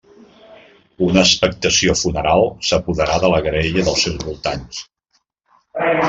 Una expectació funeral s'apoderà de la graella i dels seus voltants.